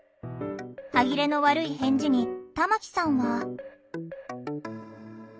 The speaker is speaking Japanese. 歯切れの悪い返事に玉木さんは。